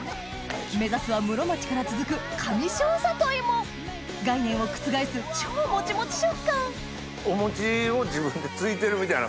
目指すは室町から続く上庄里芋概念を覆す超もちもち食感お餅を自分でついてるみたいな。